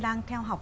đang theo học